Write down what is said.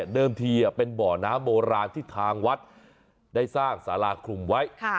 ทีเป็นบ่อน้ำโบราณที่ทางวัดได้สร้างสาราคลุมไว้